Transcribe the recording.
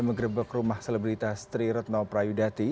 mengrebek rumah selebritas trirodno prayudati